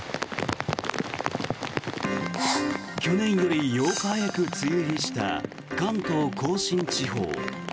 去年より８日早く梅雨入りした関東・甲信地方。